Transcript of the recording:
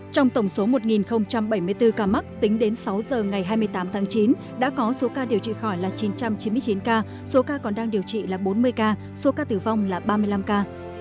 trong tổng số một bảy mươi bốn ca mắc tính đến sáu giờ ngày hai mươi tám tháng chín đã có số ca điều trị khỏi là chín trăm chín mươi chín ca số ca còn đang điều trị là bốn mươi ca số ca tử vong là ba mươi năm ca